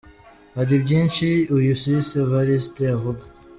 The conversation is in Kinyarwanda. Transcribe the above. Hari byinshi uyu Sisi Evariste avuga :